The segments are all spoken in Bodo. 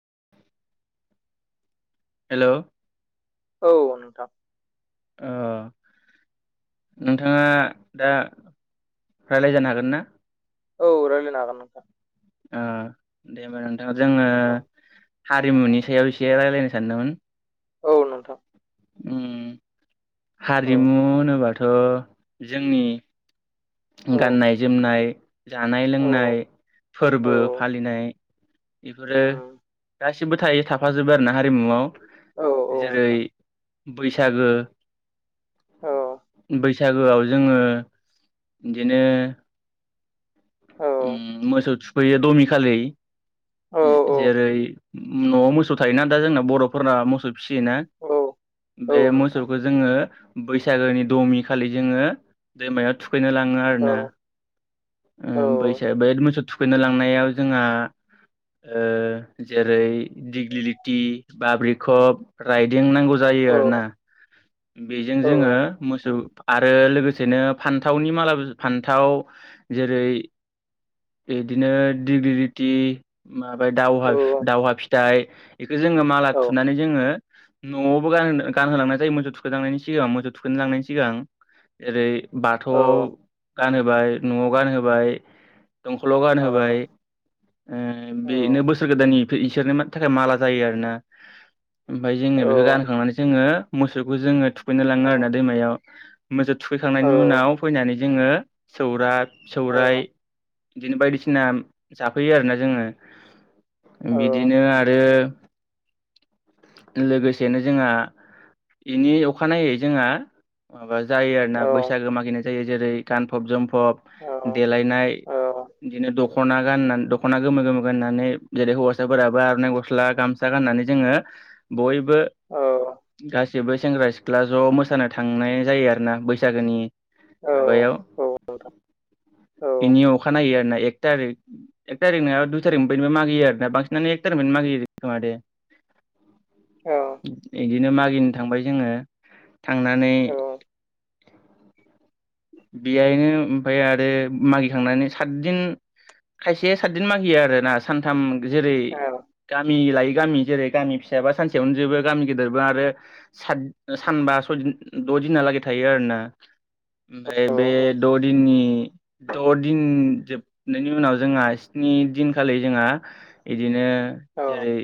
[inaudible] हेलौ औ नोंथां ओ नोंथाङा दा राय्लाय जानो हागोन ना? औ रायलानो हागोन नोंथां ओ दे होनबा नोंथां जोङो हारिमुनि सायाव एसे रायलायनो सानदोंमोन? औ नोंथां ओम औ नोंथां औ हारिमु होनोबाथ जोंनि गाननाय जोमनाय जानाय लोंनाय औ फोरबो फालिनाय बेफोरो उम गासिबो थायो थाफाजोबो आरो ना हारिमुआव औ औ जेरै नोंथां बैसागो औ बैसागोआव जोङो बिदिनो औ ओम मोसौ थुफैयो दमि खालै औ जेरै नआव मोसौ थायोना दा जोंना बरफोरना मोसौ फिसियोना औ औ बे नोंथां मोसौखो जोङो बैसागोनि दमि खालि जोङो दैमायाव थुखैनो लाङो औ आरोना ओ औ बैसा बे मोसौ थुखैनो लांनायाव जोंहा ओ जेरै दिग्लिलिटि बाब्रिकप राइदें नांगौ जायो औ यो आरो ना बेजों जोङो मोसौ आरो लोगोसेनो फान्थावनि माला फान्थाव जेरै बिदिनो डिग्रिलिटि माबाय दावहा दावहा फिथाइ इखो जोङो माला औ थुनानै जोङो नआवबो गानो गानहोलांनाय जायो मोसौ थुखैखांनायनि सिगां मोजौ थुखैनो लांनायनि सिगां एरै बाथौआव गानहोबाय नआव गानहोबाय दंखलाव औ गानहोबाय ओ बेनो बोसोर गोदाननि इसोरनो मि थाखाय माला जायो आरोना ओमफाय जोङो बेखौ गानहोखांनानै जोङो मोसौ खौ जोङो थुखैनो औ नोंथां लाङो आरोना दैमायाव मोसौ थुखैखांनायनि उनाव फैनानै जोङो सौराय सा औ सौराइ बिदिनो बायदिसिना जाफैयो आरोना जोङो औ बिदिनो आरो लोगोसेनो जोंहा बेनि अखानायै जोंहा माबा जायो आरोना बैसागो मागिनाय जायो जेरै गानफब जोमफब औ देलायनाय बिदिनो दखना गाननानै दखना गोमो गोमो गाननानै जेरै हौवासाफोराबो आरनाइ गस्ला गामसा गान नानै जोङो बयबो गा गासिबो सेंग्रा सिख्ला ज मोसानो थांनाय जायो आरोना बैसागोनि माबायाव बेनि अखानायै आरोना एक थारिक एक थारिख नङाबा दुइ थारिखनिफ्रायबो मागियो आरोना बांसिनानो एक थारिखनि मा गियो खोमादे औ इदिनो मागिनो थांबाय जोङो थांनानै बेयायनो ओमफाय आरो मागिखांनानै सातदिन खायसे सातदिन मागियो आरोना सानथाम जेरै गा गामि लायै गामि जेरै गामि फिसाबा सानसेयावनो जोबो गामि गेदेरब्ला आरो सानबा सय द दिनहा लागै थायो आरो ना ओमफाय बे द दिननि द दिन जोबनायनि उनाव जोंहा स्नि दिनखालि जोंहा इदिनो जेरै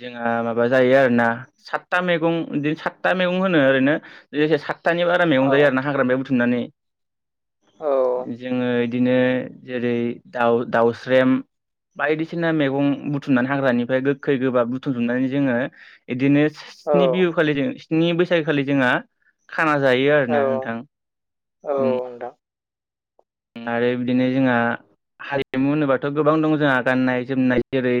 जोंहा माबा जायो आरो ना सातथा मेगं बिदिनो सातथा मेगं होनो ओरैनो तानि बारा औ मेगं जायो आरना हाग्रामायाव बुथुमनानै औ जोंङो इदिनो जेरै दाउ-दाउस्रेम बायदिसिना मेगं बुथुमनानै हाग्रानिफ्राय गोखै गोबाब बुथुम जोबनानै जोंङो इदिनो औ स्नि बिहु खालि जों स्नि बैसागोखालि जोंहा खाना जायो औ आरो ना नोंथां। औ उम नोंथां आरो बिदिनो जोंहा हारिमु होनोबाथ गोबां दं जोंहा गाननाय जोमनाय जेरै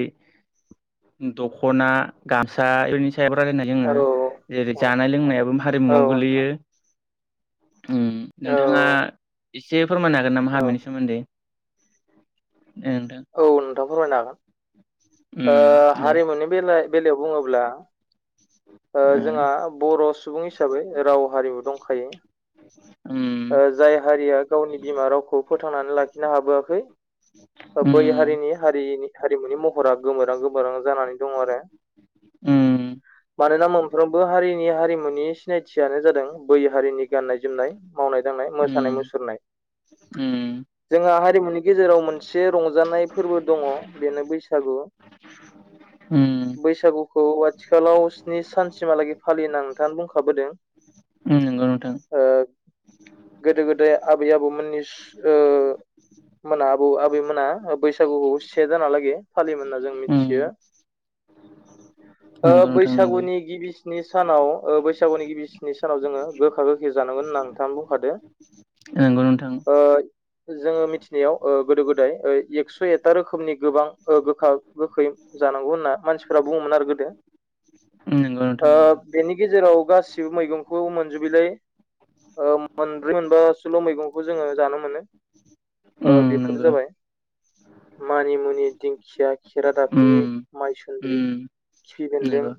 दखना गामसा हाग्रानिफ्राय जोंङो औ जेरै औ जानाय लोंनायाबो औ हारिमुआव गोलैयो नोंथां अम औ नोंथाङा एसे फोरमायनो हागोन नामा हाग्रानि सोमोन्दै औ नोंथां फोरमायनो हागोन ओ अम हारिमुनि बेला-बेलायाव बुंङोब्ला ओ जोंहा बर' सुबुं हिसाबै राव हारिमु दंखायो ओ उम जाय हारिया गावनि बिमा रावखौ फोथांनानै लाखिनो हाबोआखै बै उम हारिनि-हारिनि हारिमुनि महरा गोमोरां गोमोरां जानानै दङ आरो अम मानोना मोनफ्रोमबो हारिनि हारिमुनि सिनायथियानो जादों बै हारिनि गाननाय जोमनाय मावनाय दांनाय मोसानाय उम मुसुरनाय उम जोंहा हारिमुनि गेजेराव मोनसे रंजानाय फोरबो दंङ बेनो बैसागु उम बैसागु खौ आथिखालाव स्नि सानसिमहालागै फालियो होनना नोंथाङा बुंखाबोदों। नोंगौ नोंथां ओ गोदो गोदाय आबै आबौमोननि स ओ मोना आबौ आबैमोना बैसागुखौ से दानालागै फालियोमोन होनना जों उम मिथियो ओ नंगौ नोंथां नंगौ बैसागुनि गिबि स्नि सानाव ओ बैसा गुनि गिबि स्नि सानाव जोंङो गोखा गोखै जानांगोन होनना नोंथांआनो बुंखादो। ओ नोंगौ नोंथां जोंङो मिथिनायाव गोदो गोदाय एक्स' एथा रोखोमनि गोबां गोखा गोखै जानांगौ होनना मानसिफोरा बुंङोमोन आरो गोदो नंगौ नोंथां ओ नंगौ बेनि गेजेराव गासिबो मैगंखौ मोनजोबैलाय मोनब्रै मोनबा सोल मैगंखौ जोंङो जानो मोनो ओ उम बेफोर नंगौ जाबाय मानि मुनि दिंखिया खेरादाफिनि उम माइसुन्द्रि उम खिफि बेन्दों नंगौ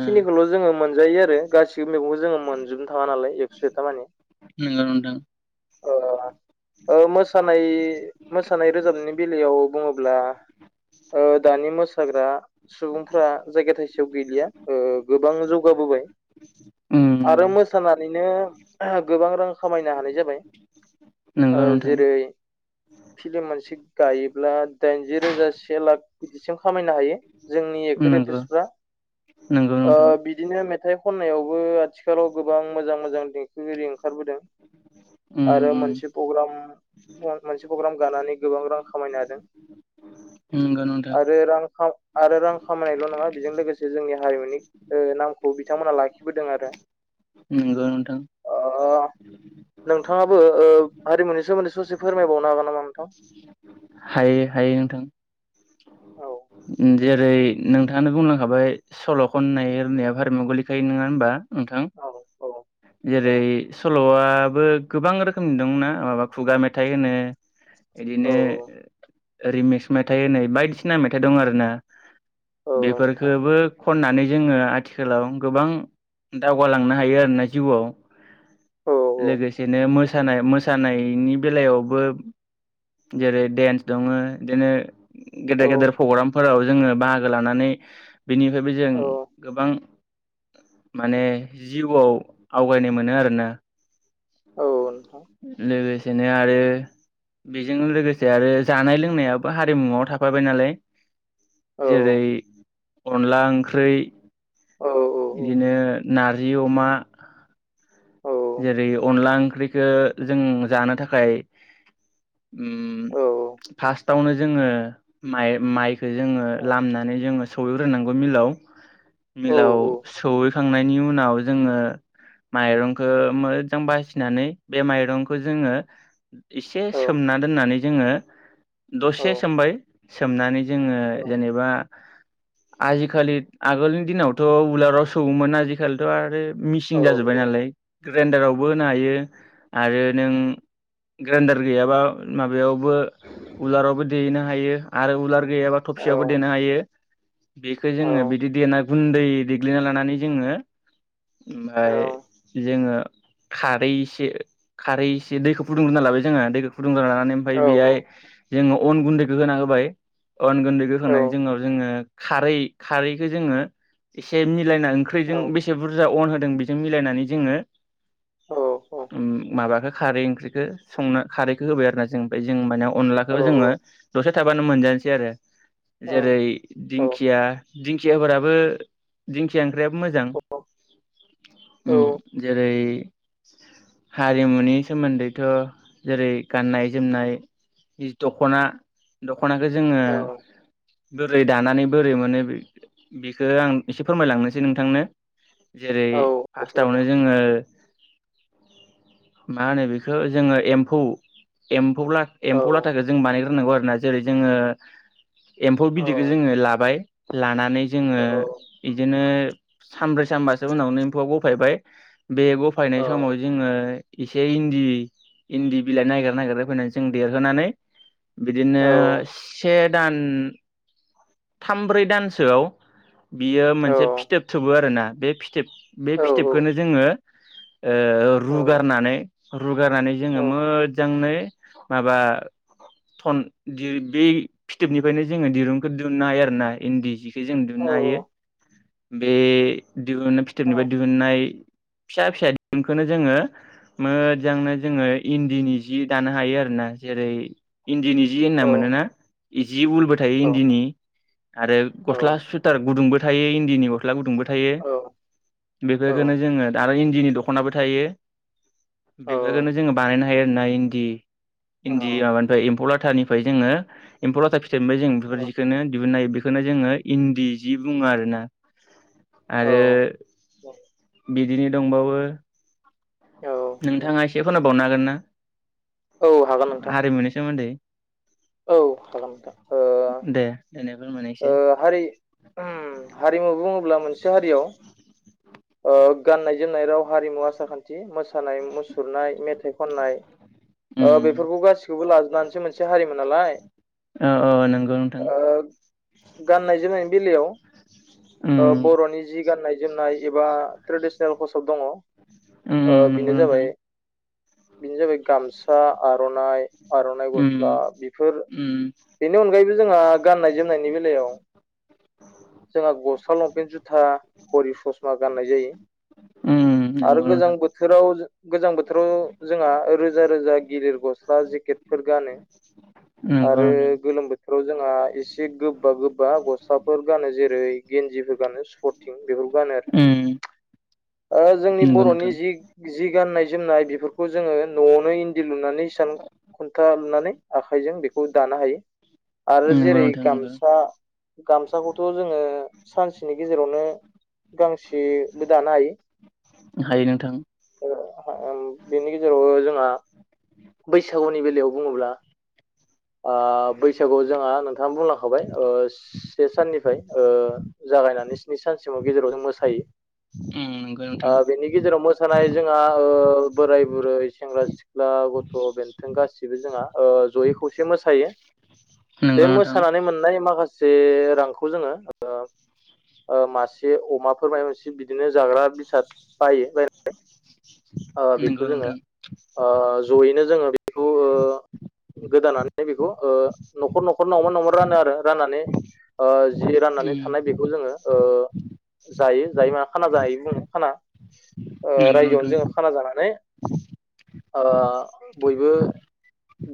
ओ जोंङो मोनजायो आरो गासिबो मैगंखौ जोंङो मोनजोबनो थाङा नालाय एक्स' एथा मानि नंगौ नोंथां मोसानाय-मोसानाय रोजाबनायनि बेलायाव बुंङोब्ला ओ दानि मोसाग्रा सुबुंफ्रा जायगा थाइसेयाव गैलिया गोबां जौगाबोबाय उम आरो नंगौ मोसाना नैनो गोबां रां खामायनो हानाय जाबाय ओ नंगौ नोंथां जेरै फिल्म मोनसे गायोब्ला दाइनजि रोजा से लाख बिदिसिम खामायनो हायो। जोंनि एक्टर नंगौ एक्ट्रिसफ्रा नंगौ ओ नोंथां बिदिनो मे थाइ खननायावबो आथिखालाव गोबां मोजां मोजां देंखोगिरि ओखारबोदों उम आरो उम मोनसे पग्राम मोनसे प्रग्राम गानानै गोबां रां खामायनो हादों नंगौ नोंथां आरो रां खा आरो रां खामायनायल नंङा बेजों लोगोसे जोंनि हारिमुनि नामखौ बिथांमोना लाखिबोदों आरो। नंगौ नोंथां। ओ नोंथाङाबो ओ हारिमुनि सोमोन्दै ससे फोरमायबावनो हागोन नामा नोंथां? हायो हायो नोंथां। औ जेरै नोंथाङानो बुंलांखाबाय सल' खननाय औ आरिनाया हारिमुआव गोलैखायो नोङा होनबा? नोंथां औ औ जेरै सल'आबो गोबां रोखोमनि दंना माबा खुगा मेथाइ होनो औ बिदिनो औ रिमिक्स मेथाइ होननाय बायदिसिना मेथाइ दं आरो ना। औ नोंथां बेफोरखोबो खननानै जोङो आथिखालाव गोबां दावगालांनो हायो आरोना जिउआव। औ लोगोसेनो मोसानाय मोसानायनि बेलायावबो जेरै देन्स दङो बिदिनो औ गेदेर गेदेर पग्रामफोराव जोङो बाहागो लानानै बेनिफ्रायबो जों औ गोबां माने जिउआव आवगायनाय मोनो आरोना। औ। लोगोसेनो आरो बेजों लोगोसे आरो जानाय लोंनायाबो हारिमुआव थाफाबाय नालाय औ जेरै अनला ओंख्रै औ बिदिनो नारजि अमा औ जेरै अनला ओंख्रिखो जों जानो थाखाय उम औ फास्ट आवनो जोङो माइ माइखो जोङो औ लामनानै जोङो सौहैग्रोनांगौ मिलाव। मिलाव सौहैखांनायनि उनाव जोङो माइरं खो मोजां बासिनानै बे माइरंखो जोङो एसे औ सोमना दोननानै जोङो दसे सोमबाय सोमनानै जोङो जेनेबा आजिखालि आगोलनि दिनावथ' उलाराव सौयोमोन आजिखालिथ' आरो मिसिन जाजोब्बाय नालाय ग्रेनदारावबो होनो हायो आरो नों ग्रेनदार गैयाबा मा बेयावबो उलारावबो देनो हायो आरो उलार गैयाबा थफसियावबो देनो हायो। बेखो जोङो बिदि देना गुन्दै देग्लिना लानानै जोङो ओमफ्राय जोङो खारै इसे खारै इसे दैखौ फुदुंग्रोना लाबाय जोङो दैखौ फुदुंगोरना लानानै ओमफ्राय बेहाय जोङो अन गुन्दैखौ होना होबाय। अन गुन्दै होखांनाय उनाव जोङो खारै खारैखो जोङो एसे मि मिलायना ओंख्रिजों बेसे बुरजा अन होदों बेजों मिलायनानै जोङो उम माबाखो खारै ओंख्रिखो संनो खारैखौ होबाय आरोना जों उमफ्राय जों माने अनलाखो जोङो दसे थाबा नो मोनजानोसै आरो। जेरै दिंखिया दिंखियाफोराबो दिंखिया ओंख्रियाबो मोजां। उम जेरै हारिमुनि सोमोन्दैथ' जेरै गाननाय जोमनाय जि दख'ना दख'नाखो जोङो बोरै दानानै बोरै मोनो बे बेखो आं एसे फोरमायलांनोसै नोंथांनो। जेरै फार्स्टआवनो नो मा होनो बेखो जोङो एम्फौ एम फौ ला एम्फौ लाथाखो जों बानायग्रोनांगौ आरोना जेरै जोङो एम्फौ बिदैखो जोङो लाब बाय लानानै जोङो इदिनो सानब्रै सानबासो उनावनो एम्फौआ गफायबाय बे गफायनाय समाव जोङो इसे इन्दि इन्दि बिलाइ नागिर नागिर होफैनानै जों देरहोनानै बिदिनो से दान थाम ब्रै दानसोआव बियो मोनसे फिथोब थोबो आरो ना बे फिथोब बे फिथोबखोनो जोङो ओ रुगारनानै रुगारनानै जोङो मोजाङै माबा थन दि बै फिथोबनिफ्रायनो जोङो दिरुंखौ दुनो हायो आरो ना इन्दि जिखो जों दिहुन हायो बे दिहुन फिथोबनिफाय दिहुननाय फिसा फिसा दिरुंखोनो जोङो मोजांनो जोङो इन्दिनि जि दानो हायो आरोना। जेरै इन्दिनि जि एन्ना मोन ना जि उलबो थायो इन्दिनि। आरो गस्ला सुइथार गुदुंबो थायो इन्दिनि गस्ला गुदुंबो थायो औ औ बेफोर औ खोनो जोङो दारो इन्दिनि दखनाबो थायो। औ बेफोरोनो जोङो बानायनो हायो आरोना इन्दि इन्दि औ माबानिफाय एम्फौ लाथानिफाय जोङो एम्फौ लाथा फिथाइनिफाय जों बेफोर औ जिखोनो दिहुननो हायो। बिखो नो जोङो इन्दि जि बुङो आरोना। औ आरो बिदिनो दंबावो औ नोंथाङा एसे खोलाबावनो हागोन ना औ हागोन नोंथां हारिमुनि सोमोन्दै। औ हागोन नोंथां ओ दे देनाय फोरमायनाय ओ इसे। हारि उम हारिमु बुङोब्ला मोनसे हारियाव ओ गाननाय जोमनाय राव हारिमु आसार खान्थि मोसा नाय मुसुरनाय मेथाइ खननाय ओ उम बेफोरखौ गासिखौबो लाजोबनानैसो मोनसे हारिमोन नालाय। ओ नोंगो नोंथां। ओ गाननाय जोमनायनि बेलायाव उम ओ बर'नि जि गाननाय जोमनाय एबा ट्रेडिसनेल कसाब दङ। ओम नोंगौ नोथां। बिनो जाबाय गामसा, आर'नाइ आर'नाइ उम गस्ला बेफोर उम बेनि अनगायैबो जोंहा गाननाय जोमनायनि बेल लायाव जोंहा गस्ला लंपेन्ट जुथा घरि ससमा गाननाय जायो। उम आरो नंगौ गोजां नोंथां बोथोराव गोजां बोथोराव जोंहा रोजा रोजा गिदिर गस स्ला जेकेटफोर गानो नंगौ आरो नोंथां गोलोम बोथोराव जोंहासे एसे गोब बा गोबा गस्लाफोर गानो जेरै गेन्जिफोर गानो स्पर्टिं बेफोरखौ गानो आरो। उम ओ जोंनि नंगौ बर'नि नोंथां जि जि गाननाय जोमनाय बिफोरखौ जोङो न'आवनो इन्दि लुनानै हिसान खुन्था लुनानै आखाइजों बेखौ दानो हायो आरो नंगौ जेरै नोंथां नंगौ गामस गामसाखौथ' जोङो सानसेनि गेजेरावनो गांसेबो दानो हायो। हायो नोंथां। हाओम बेनि गेजेराव जोंहा बैसागुनि बेलायाव बुङोब्ला ओ बैसागुआव जोंहा नोंथां खहाय ओ से साननिफाय ओ जागायनानै स्नि सानसिमाव गेजेराव जों मोसायो। ओम नोंगो ओ नोंथां। बेनि गेजेराव मोसानाय जोंहा ओ बोराय बुरै सेंग्रा सिख्ला गथ' बेन्थों गासिबो जोंहा ओ जयै खौसे मोसायो। बे नंगौ नोंथां मोसानानै मोन माखासे रांखौ जोङो ओ ओ मासे अमाफोर माय मोनसे बिदिनो जाग्रा बेसाद बायो बायनानै ओ नंगौ बेखौ जोङो नोंथां ओ जयैनो जोङो बिखौ ओ गोदानानै बेखौ ओ न'खर न'खर नावमान नावमान रानो आरो राननानै ओ जि राननानै थानाय उम बिखौ जोङो ओ जायो जायो मा खाना जाहै बुङो खाना। ओ नंगौ रायजोआवनो नोंथां जोङो नै ओ बयबो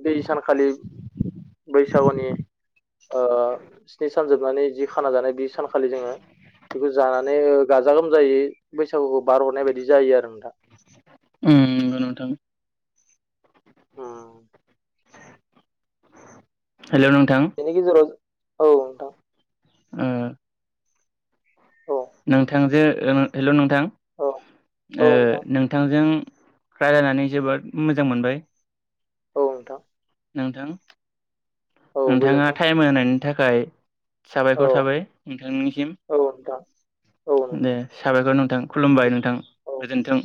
दै सानखालि बैसागुनि ओ स्नि सान जोबनानै जि खाना जानाय बे सानखालि जोङो बिखौ जानानै गाजा गोमजायै बैसागुखौ बारहरनाय बायदि जायो आरो नोंथां ओम नंगौ नोंथां ओम हेल' नोंथां बेनि गेजेराव औ दा ओम औ नोंथांजों हेल' नोंथां औ औ ओ नोंथां नोंथांजों राय्लायनानै जोबोद मोजां मोनबाय औ नोंथां नोंथां औ नोंथाङा गोजोन्थों टाइम होनायनि थाखाय औ साबायखर थाबाय नोंथांनिसिम औ नोंथां औ दे नोंथां साबायखर नोंथां खुलुमबाय नोंथां औ गोजोन्थों